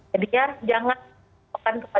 jadi ya jangan pakai city value